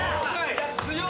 強い！